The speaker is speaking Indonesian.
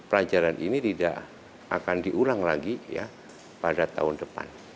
dan pelajaran ini tidak akan diulang lagi ya pada tahun depan